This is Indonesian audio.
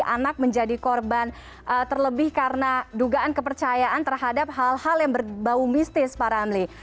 anak menjadi korban terlebih karena dugaan kepercayaan terhadap hal hal yang berbau mistis pak ramli